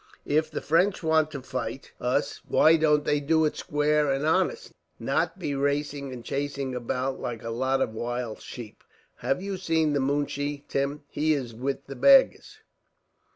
If the French want to fight us, why don't they do it square and honest, not be racing and chasing about like a lot of wild sheep." "Have you seen the moonshee, Tim? He is with the baggage."